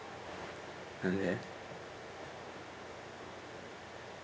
何で？